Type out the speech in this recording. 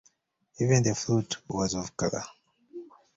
Even the flute was off-color.